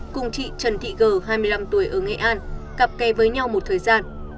cùng chị trần thị g hai mươi năm tuổi ở nghệ an cặp kè với nhau một thời gian